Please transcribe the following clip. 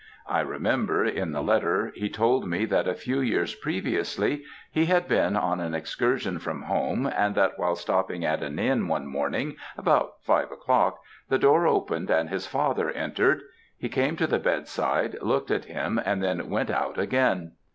I remember, in the letter, he told me that a few years previously, he had been on an excursion from home, and that while stopping at an inn, one morning, about five o'clock, the door opened and his father entered; he came to the bedside, looked at him, and then went out again.